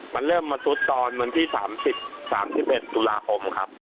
มันเริ่มมาซุดตอนวันที่๓๐๓๑ตุลาคมครับ